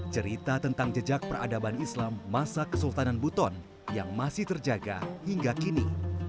cerita tentang jejak peradaban islam masa kesultanan buton yang masih terjaga hingga kini